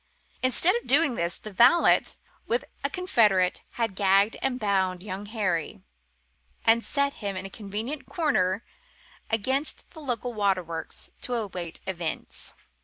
Instead of doing this, the valet, with a confederate, had gagged and bound young Harry, and set him in a convenient corner against the local waterworks to await events.